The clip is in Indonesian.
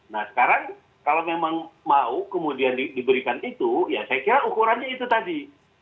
nah sekarang kalau memang mau kemudian diberikan itu ya saya kira ukurannya itu tadi